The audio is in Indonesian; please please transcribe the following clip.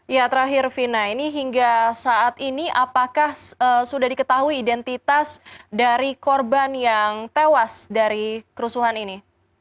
ya terakhir vina ini hingga saat ini apakah sudah diketahui identitas dari korban yang tewas dari kerusuhan ini